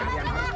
masih ke bawah